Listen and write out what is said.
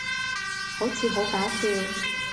好似好搞笑